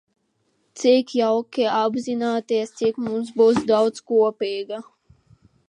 Cik jauki apzināties, cik mums būs daudz kopīga!